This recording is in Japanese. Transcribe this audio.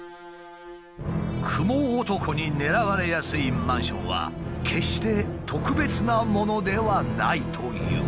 クモ男に狙われやすいマンションは決して特別なものではないという。